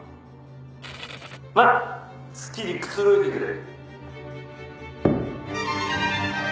まあ好きにくつろいでくれ。